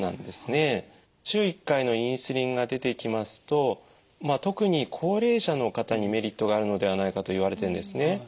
週１回のインスリンが出てきますとまあ特に高齢者の方にメリットがあるのではないかといわれてるんですね。